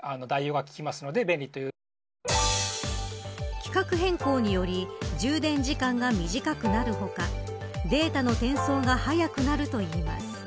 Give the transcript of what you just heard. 規格変更により充電時間が短くなる他データの転送が速くなるといいます。